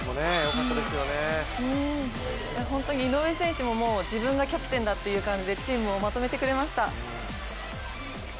本当に井上選手も自分がキャプテンだという形でチームをまとめてくれました。